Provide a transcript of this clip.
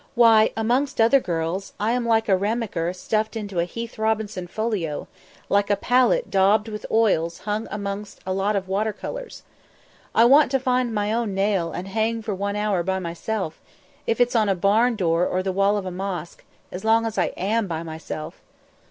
Why, amongst other girls, I am like a Raemaeker stuffed into a Heath Robinson folio, like a palette daubed with oils hung amongst a lot of water colours. I want to find my own nail and hang for one hour by myself, if it's on a barn door or the wall of a mosque as long as I am by myself."